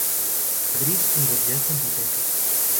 Madrid: Universidad Complutense.